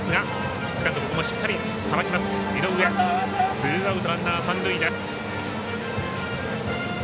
ツーアウト、ランナー、三塁です。